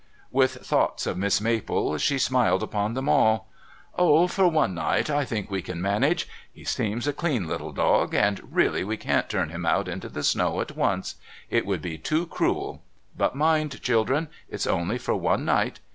With thoughts of Miss Maple she smiled upon them all. "Oh, for one night, I think we can manage. He seems a clean little dog, and really we can't turn him out into the snow at once. It would be too cruel. But mind, children, it's only for one night.